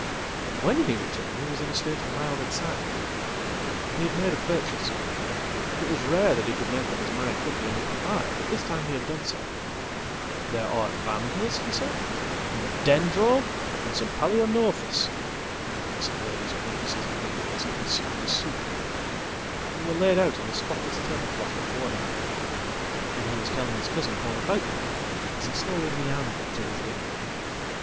"When he returned he was in a state of mild excitement. He had made apurchase. It was rare that he could make up his mind quickly enough tobuy, but this time he had done so."There are Vandas," he said, "and a Dendrobe and some Palaeonophis." Hesurveyed his purchases lovingly as he consumed his soup. They were laidout on the spotless tablecloth before him, and he was telling his cousinall about them as he slowly meandered through his dinner.